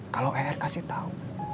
kalau er kasih tau